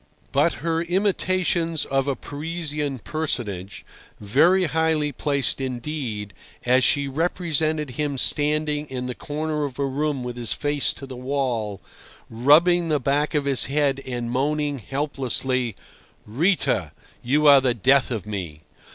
But her imitations of a Parisian personage, very highly placed indeed, as she represented him standing in the corner of a room with his face to the wall, rubbing the back of his head and moaning helplessly, "Rita, you are the death of me!"